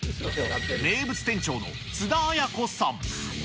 名物店長の津田綾子さん。